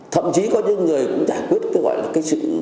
thậm chí có những người cũng giải quyết cái gọi là cái sự